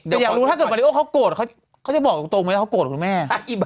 แต่อย่างรู้ถ้าเกิดมัลิโอเค้าโกรธเค้าจะบอกตรงไหมแหละเค้าโกรธคุณแม่